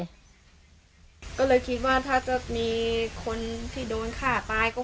เราก็ละเค้าก็หาแหวนให้ใครได้